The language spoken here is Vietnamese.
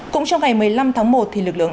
cũng trong ngày một mươi năm tháng một